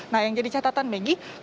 nah yang jadi catatan maggie